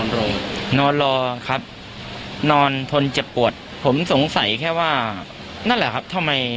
นอนรอครับนอนทนเจ็บปวดผมสงสัยแค่ว่านั่นแหละครับทำไม